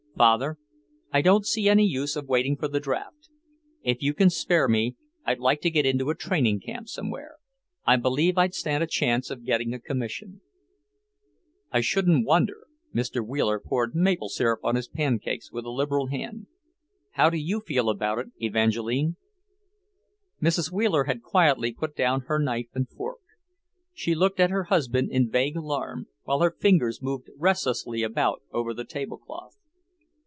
"Father, I don't see any use of waiting for the draft. If you can spare me, I'd like to get into a training camp somewhere. I believe I'd stand a chance of getting a commission." "I shouldn't wonder." Mr. Wheeler poured maple syrup on his pancakes with a liberal hand. "How do you feel about it, Evangeline?" Mrs. Wheeler had quietly put down her knife and fork. She looked at her husband in vague alarm, while her fingers moved restlessly about over the tablecloth.